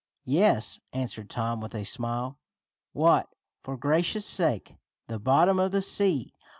"Yes," answered Tom with a smile. "What, for gracious sake?" "The bottom of the sea.